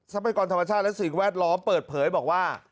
พยากรธรรมชาติและสิ่งแวดล้อมเปิดเผยบอกว่า